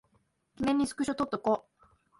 記念にスクショ撮っとこ